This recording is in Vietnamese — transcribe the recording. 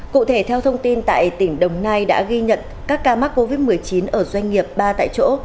cụ thể theo thông tin tại tỉnh đồng nai đã ghi nhận các ca mắc covid một mươi chín ở doanh nghiệp ba tại chỗ